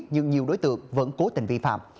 nhưng nhiều đối tượng vẫn cố tình vi phạm